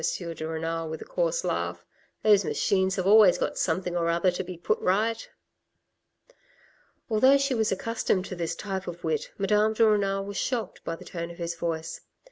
de Renal with a coarse laugh. "Those machines have always got something or other to be put right." Although she was accustomed to this type of wit, Madame de Renal was shocked by the tone of voice.